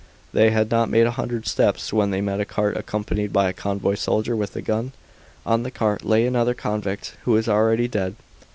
They had not made a hundred steps when they met a cart accompanied by a convoy soldier with a gun. On the cart lay another convict, who was already dead.